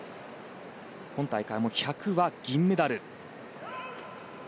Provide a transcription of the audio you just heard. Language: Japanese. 今大会も１００は銀メダル。